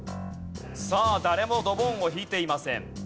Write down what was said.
さあ誰もドボンを引いていません。